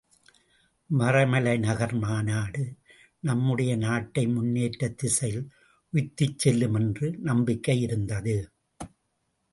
மறைமலை நகர் மாநாடு நம்முடைய நாட்டை முன்னேற்றத் திசையில் உய்த்துச் செலுத்தும் என்ற நம்பிக்கை இருந்தது.